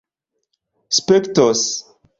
spektos